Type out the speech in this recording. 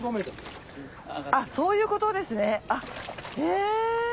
あっそういうことですねへぇ。